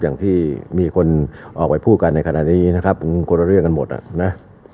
อย่างที่มีคนออกไปพูดกันในขณะนี้นะครับคนละเรื่องกันหมดอ่ะนะ